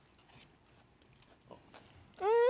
うん！